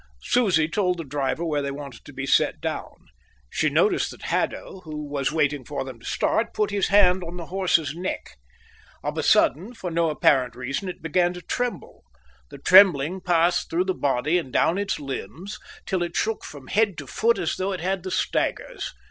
Susie told the driver where they wanted to be set down. She noticed that Haddo, who was waiting for them to start, put his hand on the horse's neck. On a sudden, for no apparent reason, it began to tremble. The trembling passed through the body and down its limbs till it shook from head to foot as though it had the staggers.